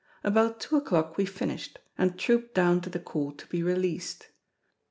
About two o'clock we finished, and trooped down to the Court to be released.